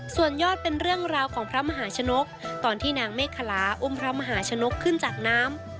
ส่วนยอดเป็นเรื่องราวของพระมหาชนกตอนที่นางเมฆคลาอุ้มพระมหาชนกขึ้นจากน้ำ